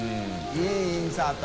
いインサート。